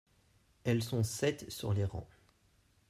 Elles sont sept sur les rangs.